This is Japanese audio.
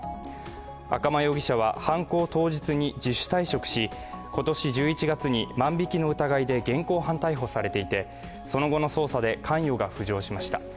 赤間容疑者は犯行当日に自主退職し今年１１月に万引きの疑いで現行犯逮捕されていてその後の捜査で、関与が浮上しました。